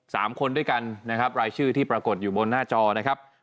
สามคนด้วยกันนะครับรายชื่อที่ปรากฏอยู่บนหน้าจอนะครับ